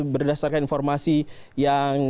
berdasarkan informasi yang